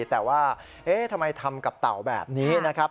แต่ว่าทำไมทำกับเต่าแบบนี้นะครับ